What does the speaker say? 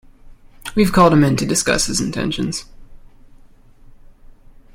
We have called him in to discuss his intentions.